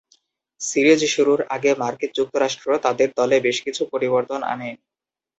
Series শুরুর আগে মার্কিন যুক্তরাষ্ট্র তাদের দলে বেশ কিছু পরিবর্তন আনে।